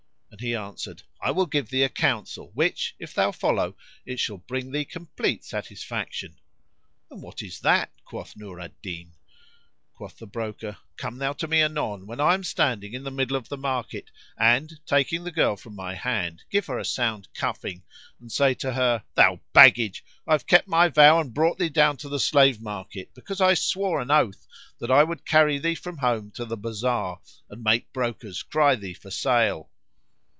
and he answered, "I will give thee a counsel which, if thou follow, it shall bring thee complete satisfaction." "And what is that?" quoth Nur al Din. Quoth the broker, "Come thou to me anon when I am standing in the middle of the market and, taking the girl from my hand, give her a sound cuffing and say to her, 'Thou baggage, I have kept my vow and brought thee down to the slave market, because I swore an oath that I would carry thee from home to the bazar, and make brokers cry thee for sale.'